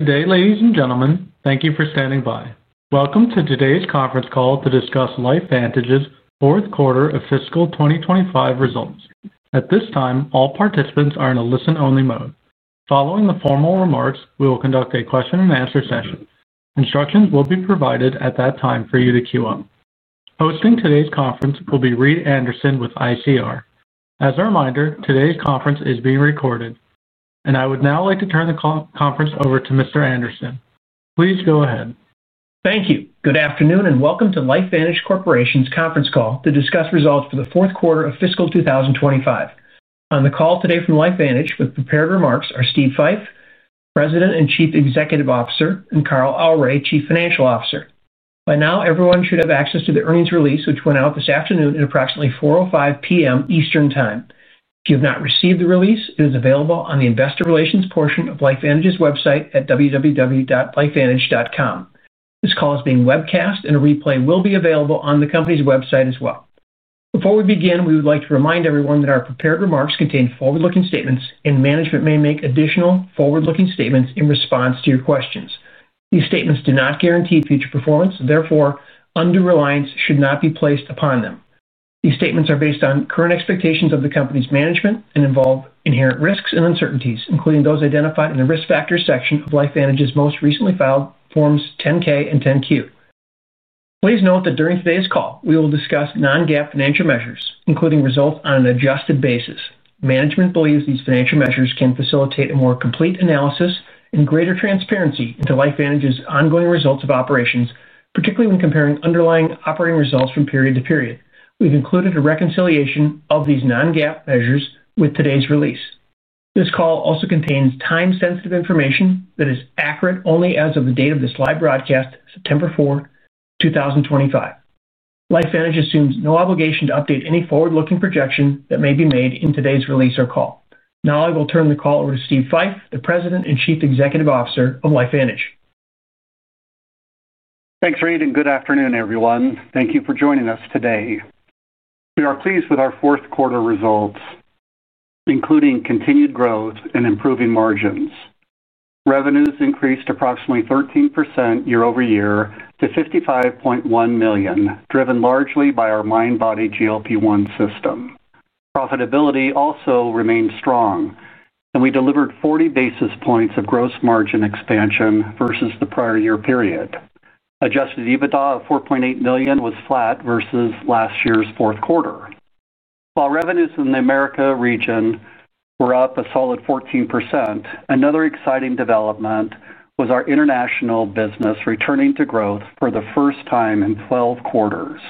Ladies and gentlemen, thank you for standing by. Welcome to today's conference call to discuss LifeVantage's Fourth Quarter of Fiscal 2025 Results. At this time, all participants are in a listen-only mode. Following the formal remarks, we will conduct a question -and -answer session. Instructions will be provided at that time for you to queue up. Hosting today's conference will be Reed Anderson with ICR. As a reminder, today's conference is being recorded, and I would now like to turn the conference over to Mr. Anderson. Please go ahead. Thank you. Good afternoon and welcome to LifeVantage Corporation's Conference Call to discuss Results for the Fourth Quarter of Fiscal 2025. On the call today from LifeVantage with prepared remarks are Steve Fife, President and Chief Executive Officer, and Carl Aure, Chief Financial Officer. By now, everyone should have access to the earnings release, which went out this afternoon at approximately 4:05 P.M. Eastern Time. If you have not received the release, it is available on the Investor Relations portion of LifeVantage's website at www.lifevantage.com. This call is being webcast, and a replay will be available on the company's website as well. Before we begin, we would like to remind everyone that our prepared remarks contain forward-looking statements, and management may make additional forward-looking statements in response to your questions. These statements do not guarantee future performance, therefore, undue reliance should not be placed upon them. These statements are based on current expectations of the company's management and involve inherent risks and uncertainties, including those identified in the risk factors section of LifeVantage's most recently filed forms 10-K and 10-Q. Please note that during today's call, we will discuss non-GAAP financial measures, including results on an adjusted basis. Management believes these financial measures can facilitate a more complete analysis and greater transparency into LifeVantage's ongoing results of operations, particularly when comparing underlying operating results from period to period. We have included a reconciliation of these non-GAAP measures with today's release. This call also contains time-sensitive information that is accurate only as of the date of this live broadcast, September 4, 2025. LifeVantage assumes no obligation to update any forward-looking projection that may be made in today's release or call. Now I will turn the call over to Steve Fife, the President and Chief Executive Officer of LifeVantage. Thanks, Reed, and good afternoon, everyone. Thank you for joining us today. We are pleased with our fourth quarter results, including continued growth and improving margins. Revenues increased approximately 13% year -over -year to $55.1 million, driven largely by our MindBody GLP-1 System. Profitability also remained strong, and we delivered 40 basis points of gross margin expansion versus the prior year period. Adjusted EBITDA of $4.8 million was flat versus last year's fourth quarter. While revenues in the Americas region were up a solid 14%, another exciting development was our international business returning to growth for the first time in 12 quarters.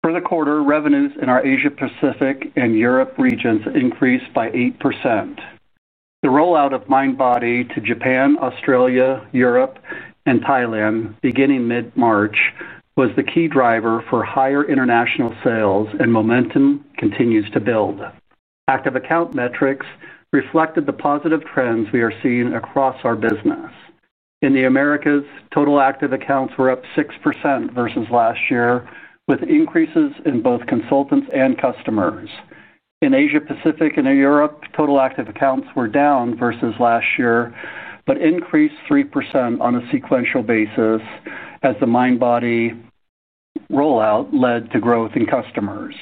For the quarter, revenues in our Asia-Pacific/Europe regions increased by 8%. The rollout of MindBody to Japan, Australia, Europe, and Thailand beginning mid-March was the key driver for higher international sales, and momentum continues to build. Active account metrics reflected the positive trends we are seeing across our business. In the Americas, total active accounts were up 6% versus last year, with increases in both consultants and customers. In Asia-Pacific and in Europe, total active accounts were down versus last year, but increased 3% on a sequential basis as the MindBody rollout led to growth in customers.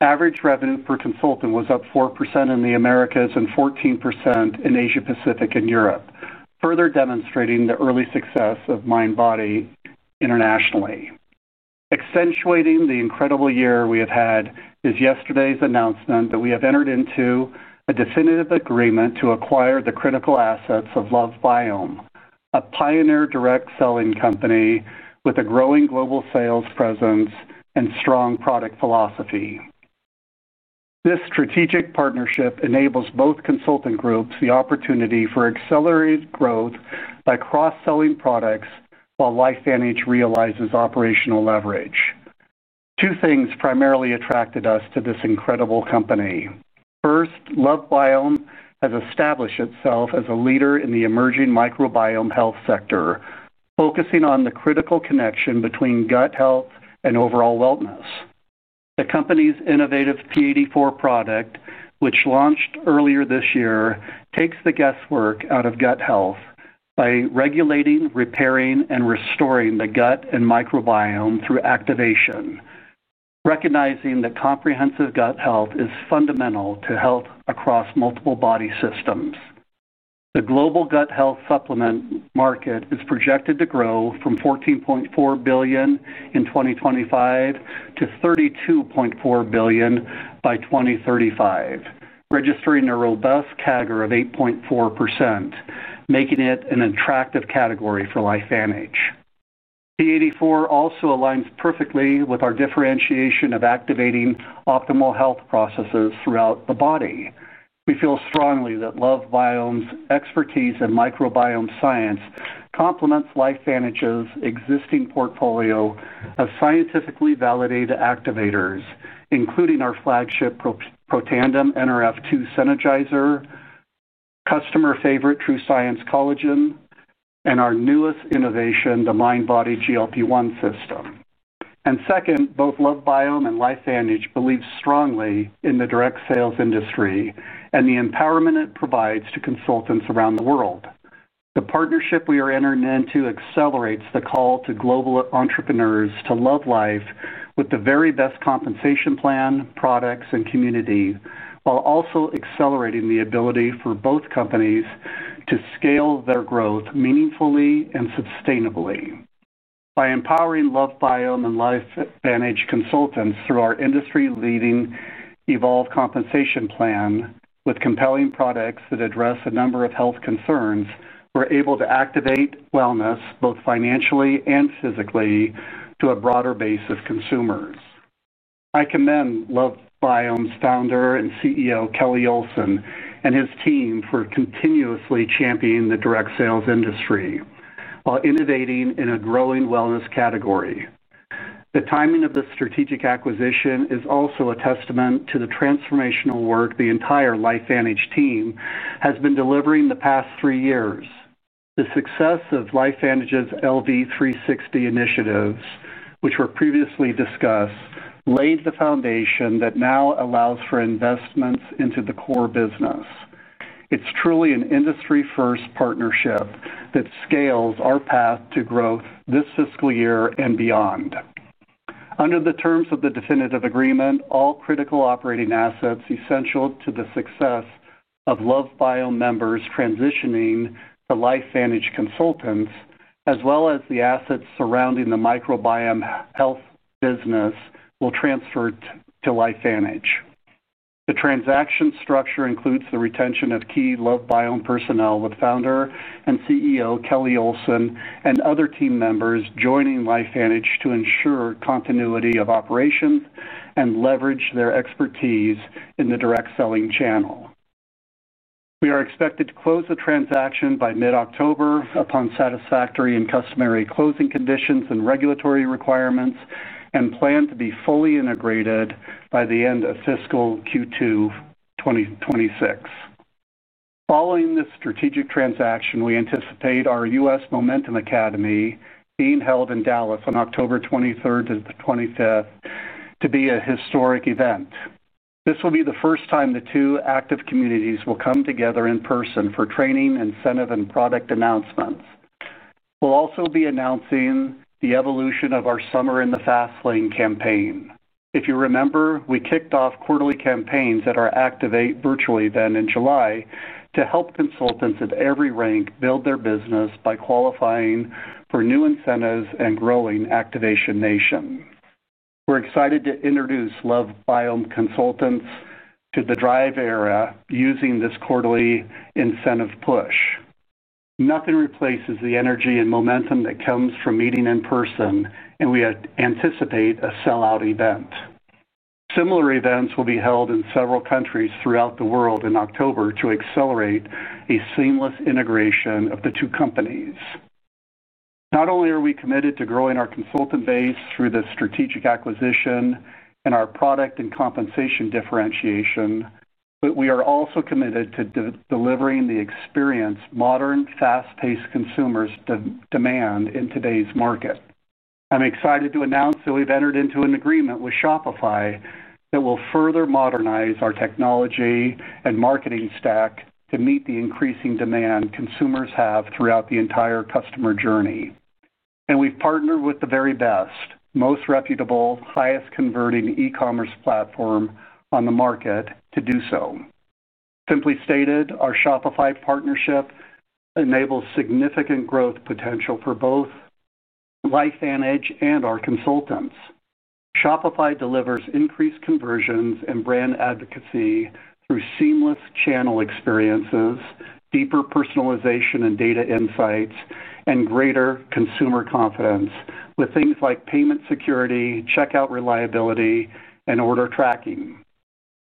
Average revenue per consultant was up 4% in the Americas and 14% in Asia-Pacific/Europe, further demonstrating the early success of MindBody internationally. Accentuating the incredible year we have had is yesterday's announcement that we have entered into a definitive agreement to acquire the critical assets of LoveBiome, a pioneer direct selling company with a growing global sales presence and strong product philosophy. This strategic partnership enables both consulting groups the opportunity for accelerated growth by cross-selling products, while LifeVantage realizes operational leverage. Two things primarily attracted us to this incredible company. First, LoveBiome has established itself as a leader in the emerging microbiome health sector, focusing on the critical connection between gut health and overall wellness. The company's innovative P84 product, which launched earlier this year, takes the guesswork out of gut health by regulating, repairing, and restoring the gut and microbiome through activation, recognizing that comprehensive gut health is fundamental to health across multiple body systems. The global gut health supplement market is projected to grow from $14.4 billion in 2025 to $32.4 billion by 2035, registering a robust CAGR of 8.4%, making it an attractive category for LifeVantage. P84 also aligns perfectly with our differentiation of activating optimal health processes throughout the body. We feel strongly that LoveBiome's expertise in microbiome science complements LifeVantage's existing portfolio of scientifically validated activators, including our flagship Protandim Nrf2 Synergizer, customer-favorite TrueScience Liquid Collagen, and our newest innovation, the MindBody GLP-1 System. Second, both LoveBiome and LifeVantage believe strongly in the direct sales industry and the empowerment it provides to consultants around the world. The partnership we are entering into accelerates the call to global entrepreneurs to love life with the very best compensation plan, products, and community, while also accelerating the ability for both companies to scale their growth meaningfully and sustainably. By empowering LoveBiome and LifeVantage consultants through our industry-leading Evolve Compensation Plan, with compelling products that address a number of health concerns, we're able to activate wellness, both financially and physically, to a broader base of consumers. I commend LoveBiome's Founder and CEO, Kelly Olson, and his team for continuously championing the direct sales industry while innovating in a growing wellness category. The timing of this strategic acquisition is also a testament to the transformational work the entire LifeVantage team has been delivering the past three years. The success of LifeVantage's LV360 initiatives, which were previously discussed, laid the foundation that now allows for investments into the core business. It's truly an industry-first partnership that scales our path to growth this fiscal year and beyond. Under the terms of the definitive agreement, all critical operating assets essential to the success of LoveBiome members transitioning to LifeVantage consultants, as well as the assets surrounding the microbiome health business, will transfer to LifeVantage. The transaction structure includes the retention of key LoveBiome personnel with Founder and CEO Kelly Olson and other team members joining LifeVantage to ensure continuity of operations and leverage their expertise in the direct selling channel. We are expected to close the transaction by mid-October upon satisfactory and customary closing conditions and regulatory requirements, and plan to be fully integrated by the end of fiscal Q2 2026. Following this strategic transaction, we anticipate our US Momentum Academy being held in Dallas on October 23rd to the 25th to be a historic event. This will be the first time the two active communities will come together in person for training, incentive, and product announcements. We will also be announcing the evolution of our Summer in the Fast Lane campaign. If you remember, we kicked off quarterly campaigns at our Activate Virtually event in July to help consultants of every rank build their business by qualifying for new incentives and growing Activation Nation. We are excited to introduce LoveBiome consultants to the drive era using this quarterly incentive push. Nothing replaces the energy and momentum that comes from meeting in person, and we anticipate a sell-out event. Similar events will be held in several countries throughout the world in October to accelerate a seamless integration of the two companies. Not only are we committed to growing our consultant base through the strategic acquisition and our product and compensation differentiation, but we are also committed to delivering the experience modern, fast-paced consumers demand in today's market. I am excited to announce that we have entered into an agreement with Shopify that will further modernize our technology and marketing stack to meet the increasing demand consumers have throughout the entire customer journey. We have partnered with the very best, most reputable, highest converting e-commerce platform on the market to do so. Simply stated, our Shopify partnership enables significant growth potential for both LifeVantage and our consultants. Shopify delivers increased conversions and brand advocacy through seamless channel experiences, deeper personalization and data insights, and greater consumer confidence with things like payment security, checkout reliability, and order tracking.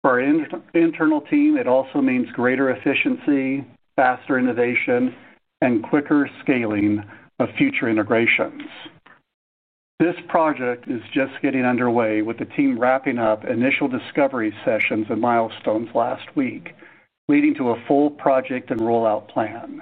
For our internal team, it also means greater efficiency, faster innovation, and quicker scaling of future integrations. This project is just getting underway with the team wrapping up initial discovery sessions and milestones last week, leading to a full project and rollout plan.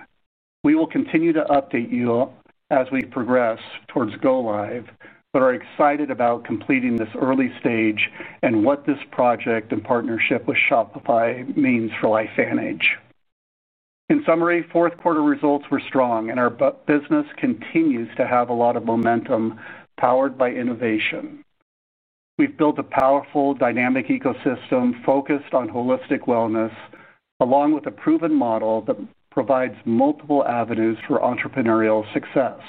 We will continue to update you as we progress towards go live, but are excited about completing this early stage and what this project and partnership with Shopify means for LifeVantage. In summary, fourth quarter results were strong, and our business continues to have a lot of momentum powered by innovation. We've built a powerful, dynamic ecosystem focused on holistic wellness, along with a proven model that provides multiple avenues for entrepreneurial success.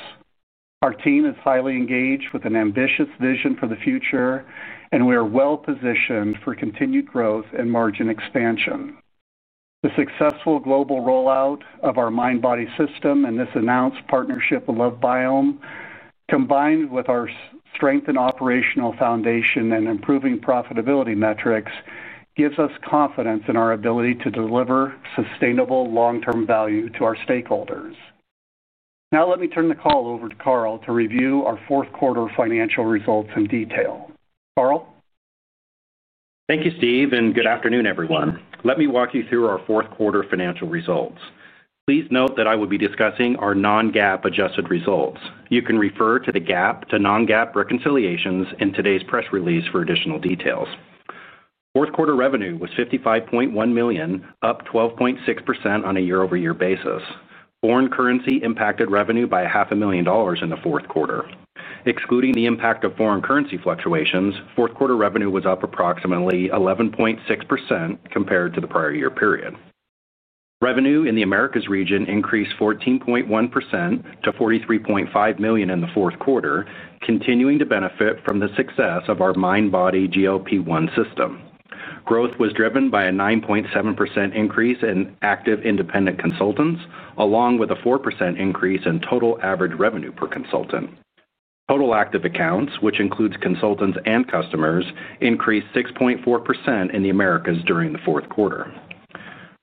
Our team is highly engaged with an ambitious vision for the future, and we are well positioned for continued growth and margin expansion. The successful global rollout of our MindBody System and this announced partnership with LoveBiome, combined with our strengthened operational foundation and improving profitability metrics, gives us confidence in our ability to deliver sustainable long-term value to our stakeholders. Now let me turn the call over to Carl to review our fourth quarter financial results in detail. Carl? Thank you, Steve, and good afternoon, everyone. Let me walk you through our fourth quarter financial results. Please note that I will be discussing our non-GAAP adjusted results. You can refer to the GAAP to non-GAAP reconciliations in Today's Press Release for additional details. Fourth quarter revenue was $55.1 million, up 12.6% on a year-over-year basis. Foreign currency impacted revenue by $500,000 in the fourth quarter. Excluding the impact of foreign currency fluctuations, fourth quarter revenue was up approximately 11.6% compared to the prior year period. Revenue in the Americas region increased 14.1% to $43.5 million in the fourth quarter, continuing to benefit from the success of our MindBody GLP-1 System. Growth was driven by a 9.7% increase in active independent consultants, along with a 4% increase in total average revenue per consultant. Total active accounts, which includes consultants and customers, increased 6.4% in the Americas during the fourth quarter.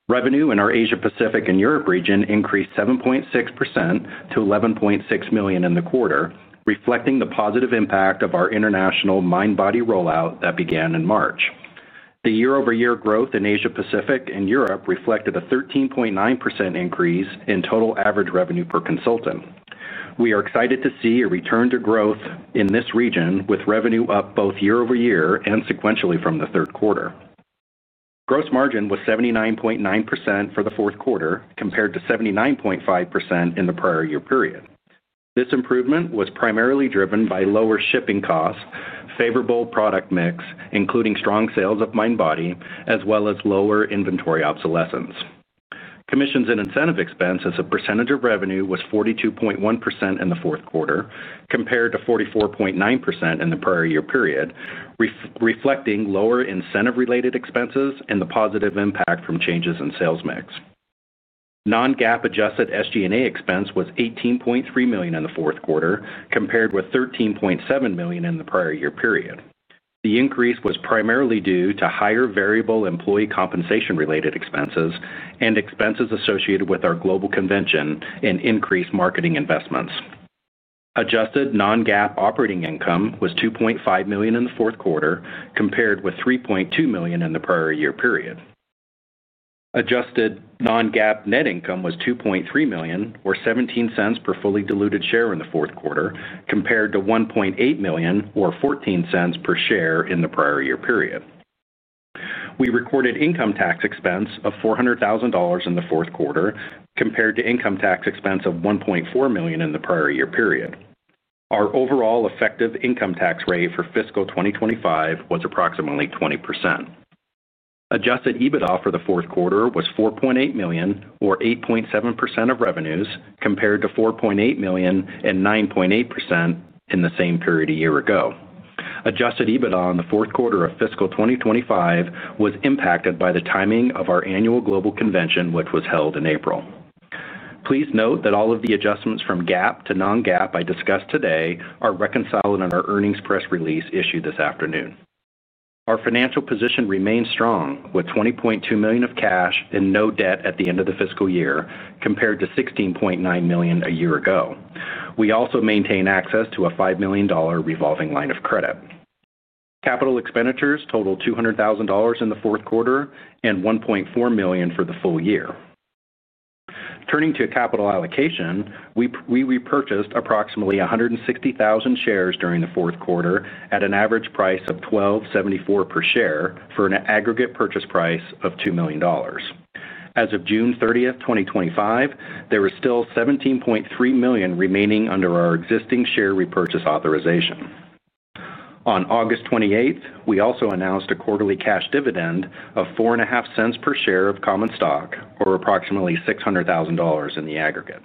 Revenue in our Asia-Pacific/Europe region increased 7.6% to $11.6 million in the quarter, reflecting the positive impact of our international MindBody rollout that began in March. The year-over-year growth in Asia-Pacific/Europe reflected a 13.9% increase in total average revenue per consultant. We are excited to see a return to growth in this region, with revenue up both year-over-year and sequentially from the third quarter. Gross margin was 79.9% for the fourth quarter, compared to 79.5% in the prior year period. This improvement was primarily driven by lower shipping costs, favorable product mix, including strong sales of MindBody, as well as lower inventory obsolescence. Commissions and incentive expenses as a percentage of revenue was 42.1% in the fourth quarter, compared to 44.9% in the prior year period, reflecting lower incentive-related expenses and the positive impact from changes in sales mix. Non-GAAP adjusted SG&A expense was $18.3 million in the fourth quarter, compared with $13.7 million in the prior year period. The increase was primarily due to higher variable employee compensation-related expenses and expenses associated with our global convention and increased marketing investments. Adjusted non-GAAP operating income was $2.5 million in the fourth quarter, compared with $3.2 million in the prior year period. Adjusted non-GAAP net income was $2.3 million, or $0.17 per fully diluted share in the fourth quarter, compared to $1.8 million, or $0.14 per share in the prior year period. We recorded income tax expense of $400,000 in the fourth quarter, compared to income tax expense of $1.4 million in the prior year period. Our overall effective income tax rate for fiscal 2025 was approximately 20%. Adjusted EBITDA for the fourth quarter was $4.8 million, or 8.7% of revenues, compared to $4.8 million and 9.8% in the same period a year ago. Adjusted EBITDA in the fourth quarter of fiscal 2025 was impacted by the timing of our annual global convention, which was held in April. Please note that all of the adjustments from GAAP to non-GAAP I discussed today are reconciled in our Earnings Press Release issued this afternoon. Our financial position remains strong, with $20.2 million of cash and no debt at the end of the fiscal year, compared to $16.9 million a year ago. We also maintain access to a $5 million revolving line of credit. Capital expenditures total $200,000 in the fourth quarter and $1.4 million for the full year. Turning to capital allocation, we repurchased approximately 160,000 shares during the fourth quarter at an average price of $12.74 per share for an aggregate purchase price of $2 million. As of June 30, 2025, there is still $17.3 million remaining under our existing share repurchase authorization. On August 28, we also announced a quarterly cash dividend of $0.045 per share of common stock, or approximately $600,000 in the aggregate.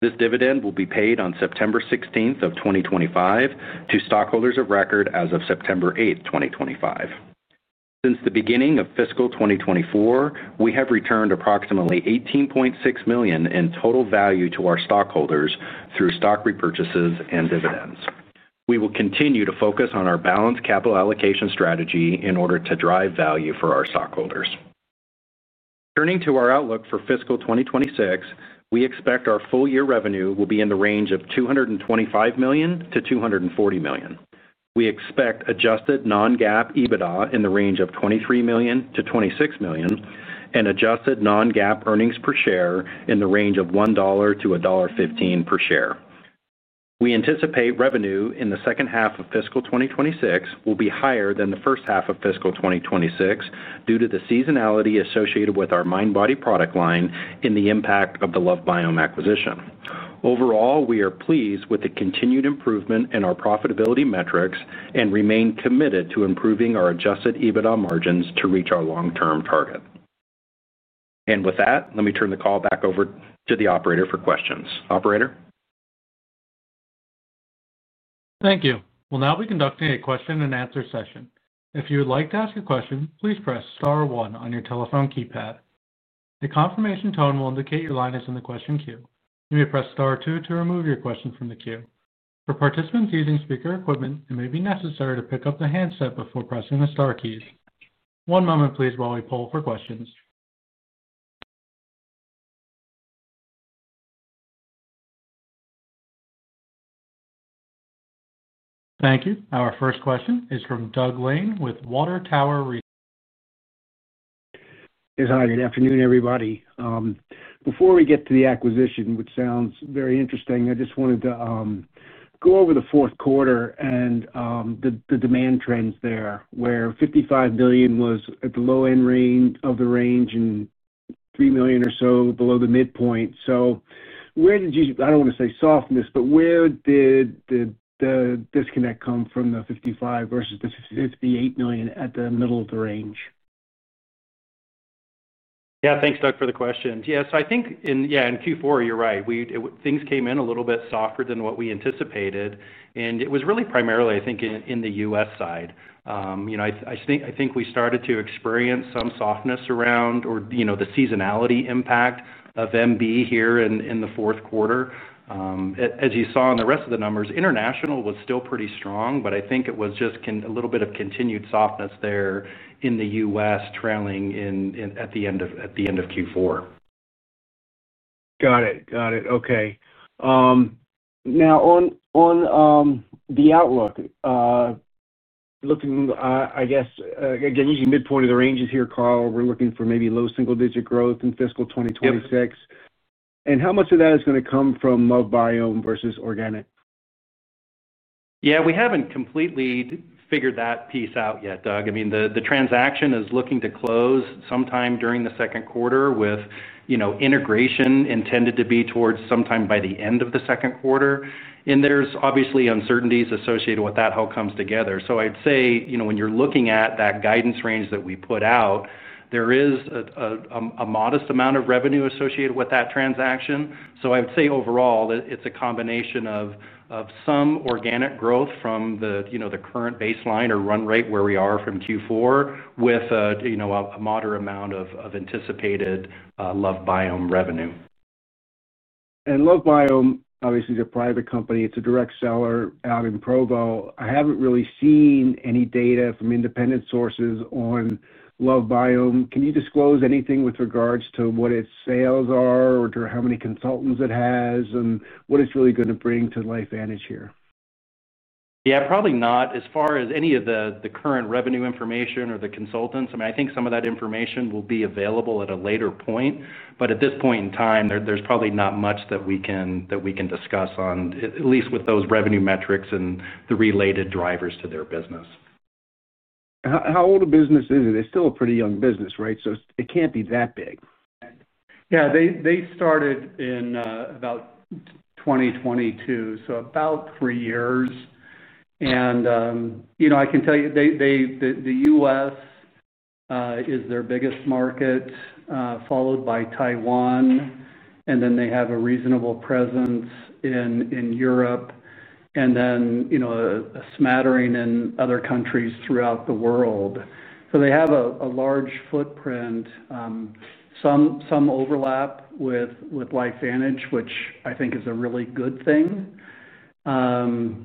This dividend will be paid on September 16, 2025, to stockholders of record as of September 8, 2025. Since the beginning of fiscal 2024, we have returned approximately $18.6 million in total value to our stockholders through stock repurchases and dividends. We will continue to focus on our balanced capital allocation strategy in order to drive value for our stockholders. Turning to our outlook for fiscal 2026, we expect our full-year revenue will be in the range of $225 million - $240 million. We expect adjusted non-GAAP EBITDA in the range of $23 million - $26 million and adjusted non-GAAP earnings per share in the range of $1 - $1.15 per share. We anticipate revenue in the second half of fiscal 2026 will be higher than the first half of fiscal 2026 due to the seasonality associated with our MindBody product line and the impact of the LoveBiome acquisition. Overall, we are pleased with the continued improvement in our profitability metrics and remain committed to improving our adjusted EBITDA margins to reach our long-term target. With that, let me turn the call back over to the operator for questions. Operator? Thank you. We'll now be conducting a question and answer session. If you would like to ask a question, please press star one on your telephone keypad. A confirmation tone will indicate your line is in the question queue. You may press star two to remove your question from the queue. For participants using speaker equipment, it may be necessary to pick up the handset before pressing the star keys. One moment, please, while we pull for questions. Thank you. Our first question is from Doug Lane with Water Tower Research. Hey, hi. Good afternoon, everybody. Before we get to the acquisition, which sounds very interesting, I just wanted to go over the fourth quarter and the demand trends there, where $55 million was at the low end of the range and $3 million or so below the midpoint. Where did you, I don't want to say softness, but where did the disconnect come from, the $55 million versus the $58 million at the middle of the range? Yeah, thanks, Doug, for the question. I think in Q4, you're right. Things came in a little bit softer than what we anticipated. It was really primarily, I think, in the U.S. side. I think we started to experience some softness around the seasonality impact of MB here in the fourth quarter. As you saw in the rest of the numbers, international was still pretty strong, but I think it was just a little bit of continued softness there in the U.S. trailing in at the end of Q4. Got it. Okay. Now, on the outlook, looking, I guess, again, using midpoint of the ranges here, Carl, we're looking for maybe low single-digit growth in fiscal 2026. How much of that is going to come from LoveBiome versus organic? Yeah, we haven't completely figured that piece out yet, Doug. I mean, the transaction is looking to close sometime during the second quarter, with integration intended to be towards sometime by the end of the second quarter. There's obviously uncertainties associated with that, how it comes together. I'd say when you're looking at that guidance range that we put out, there is a modest amount of revenue associated with that transaction. I would say overall that it's a combination of some organic growth from the current baseline or run rate where we are from Q4, with a moderate amount of anticipated LoveBiome revenue. LoveBiome, obviously, is a private company. It's a direct seller out in Provo. I haven't really seen any data from independent sources on LoveBiome. Can you disclose anything with regards to what its sales are or to how many consultants it has and what it's really going to bring to LifeVantage here? Yeah, probably not as far as any of the current revenue information or the consultants. I think some of that information will be available at a later point. At this point in time, there's probably not much that we can discuss, at least with those revenue metrics and the related drivers to their business. How old a business is it? It's still a pretty young business, right? It can't be that big. Yeah, they started in about 2022, so about three years. I can tell you the U.S. is their biggest market, followed by Taiwan. They have a reasonable presence in Europe, and a smattering in other countries throughout the world. They have a large footprint, some overlap with LifeVantage, which I think is a really good thing. The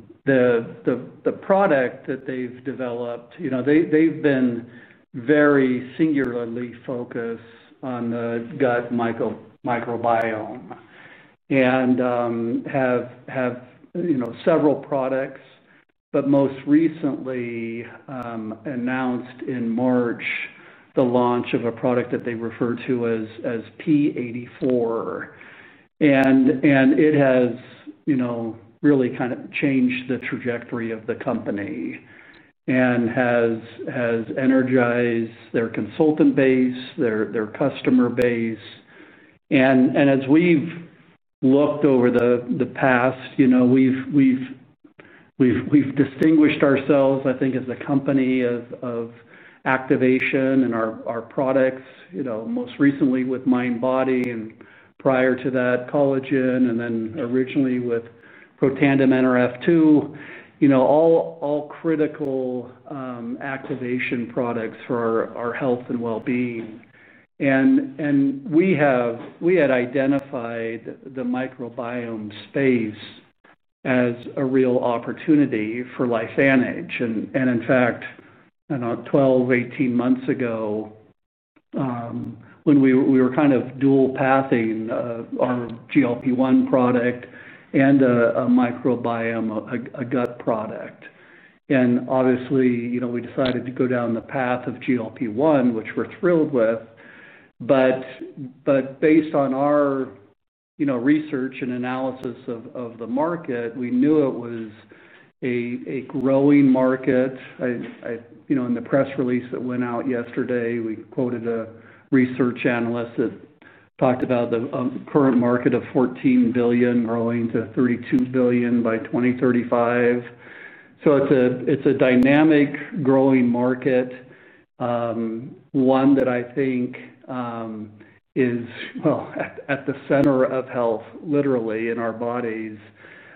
product that they've developed, they've been very singularly focused on the gut microbiome and have several products, but most recently announced in March the launch of a product that they refer to as P84. It has really kind of changed the trajectory of the company and has energized their consultant base, their customer base. As we've looked over the past, we've distinguished ourselves, I think, as the company of activation and our products, most recently with MindBody and prior to that Collagen and then originally with Protandim Nrf2, all critical activation products for our health and well-being. We had identified the microbiome space as a real opportunity for LifeVantage. In fact, I don't know, 12, 18 months ago, when we were kind of dual pathing our GLP-1 product and a microbiome, a gut product. Obviously, we decided to go down the path of GLP-1, which we're thrilled with. Based on our research and analysis of the market, we knew it was a growing market. In the press release that went out yesterday, we quoted a research analyst that talked about the current market of $14 billion growing to $32 billion by 2035. It's a dynamic growing market, one that I think is at the center of health, literally in our bodies,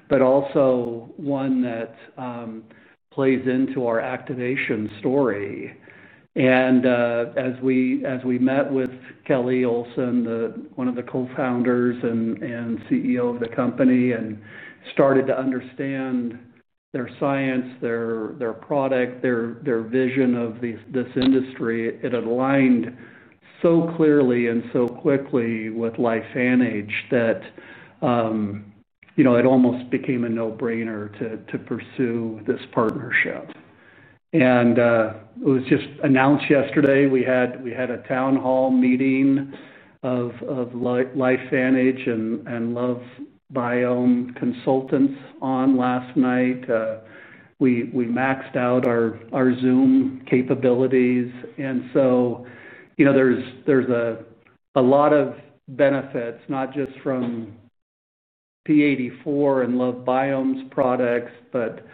but also one that plays into our activation story. As we met with Kelly Olson, one of the co-founders and CEO of the company, and started to understand their science, their product, their vision of this industry, it aligned so clearly and so quickly with LifeVantage that it almost became a no-brainer to pursue this partnership. It was just announced yesterday. We had a town hall meeting of LifeVantage and LoveBiome consultants last night. We maxed out our Zoom capabilities. There's a lot of benefits, not just from P84 and LoveBiome's products, but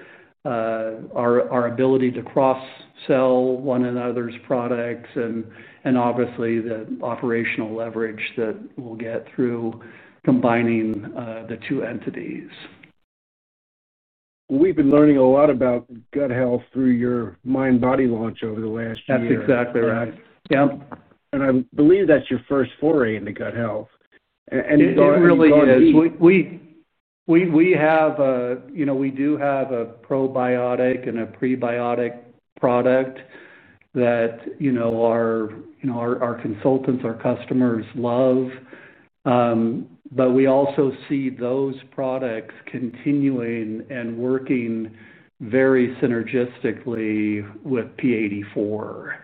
our ability to cross-sell one another's products and the operational leverage that we'll get through combining the two entities. We've been learning a lot about gut health through your MindBody GLP-1 System launch over the last year. That's exactly right. Yep. I believe that's your first foray into gut health. It really is. We do have a probiotic and a prebiotic product that our consultants, our customers love. We also see those products continuing and working very synergistically with P84.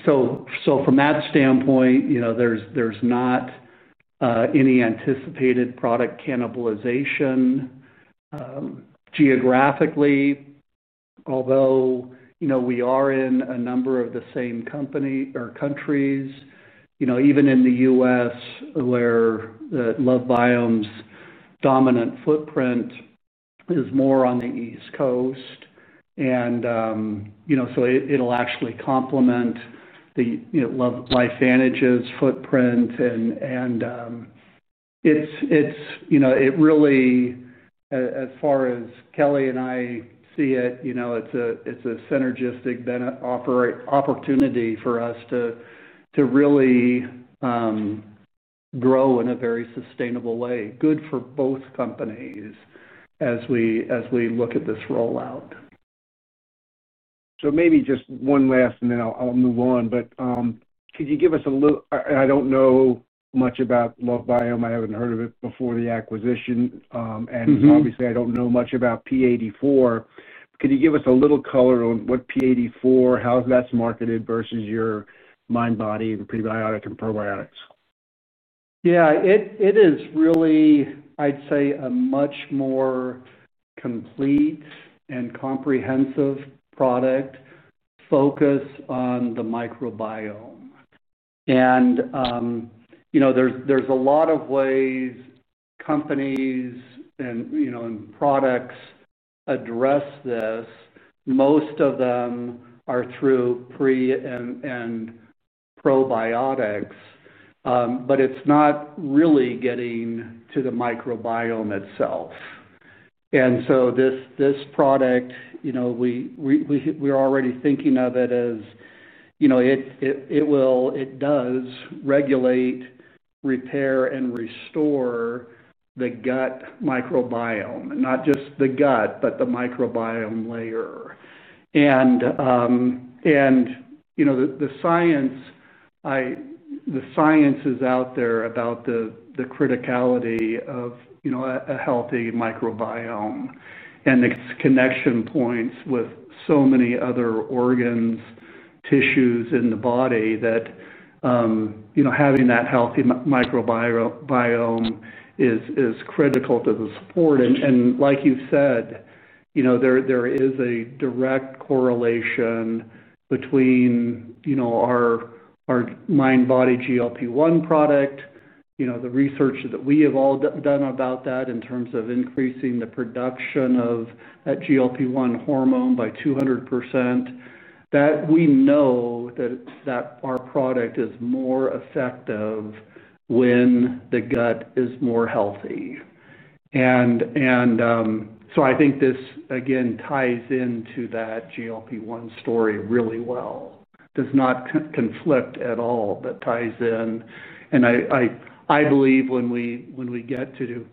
From that standpoint, there's not any anticipated product cannibalization geographically, although we are in a number of the same countries, even in the U.S. where LoveBiome's dominant footprint is more on the East Coast. It'll actually complement LifeVantage's footprint. As far as Kelly and I see it, it's a synergistic opportunity for us to really grow in a very sustainable way. Good for both companies as we look at this rollout. Maybe just one last, and then I'll move on. Could you give us a little, I don't know much about LoveBiome. I haven't heard of it before the acquisition. I don't know much about P84. Could you give us a little color on what P84, how that's marketed versus your MindBody and prebiotic and probiotics? Yeah, it is really, I'd say, a much more complete and comprehensive product focused on the microbiome. There's a lot of ways companies and products address this. Most of them are through pre and probiotics, but it's not really getting to the microbiome itself. This product, we're already thinking of it as, it does regulate, repair, and restore the gut microbiome, not just the gut, but the microbiome layer. The science is out there about the criticality of a healthy microbiome and its connection points with so many other organs, tissues in the body that having that healthy microbiome is critical to the support. Like you said, there is a direct correlation between our MindBody GLP-1 product, the research that we have all done about that in terms of increasing the production of that GLP-1 hormone by 200%, that we know that our product is more effective when the gut is more healthy. I think this, again, ties into that GLP-1 story really well. It does not conflict at all, but ties in. I believe when we get to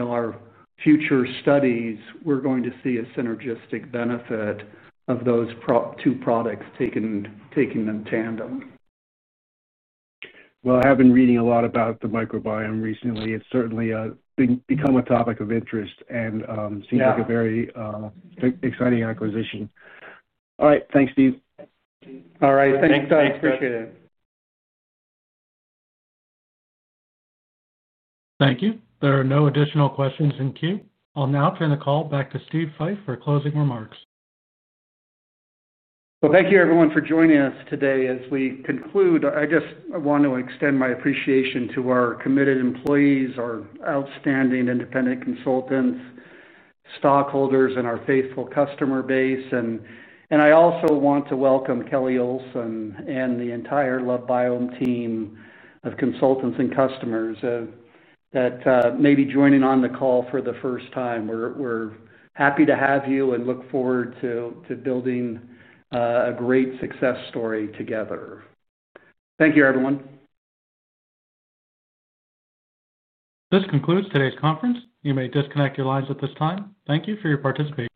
our future studies, we're going to see a synergistic benefit of those two products taking them tandem. I have been reading a lot about the microbiome recently. It's certainly become a topic of interest and seems like a very exciting acquisition. All right. Thanks, Steve. All right. Thanks, Doug. Appreciate it. Thank you. There are no additional questions in queue. I'll now turn the call back to Steve Fife for closing remarks. Thank you, everyone, for joining us today. As we conclude, I just want to extend my appreciation to our committed employees, our outstanding independent consultants, stockholders, and our faithful customer base. I also want to welcome Kelly Olson and the entire LoveBiome team of consultants and customers that may be joining on the call for the first time. We're happy to have you and look forward to building a great success story together. Thank you, everyone. This concludes today's conference. You may disconnect your lines at this time. Thank you for your participation.